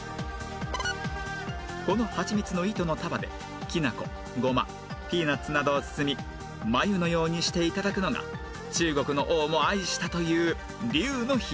このはちみつの糸の束できなこゴマピーナッツなどを包み繭のようにして頂くのが中国の王も愛したという龍のひげ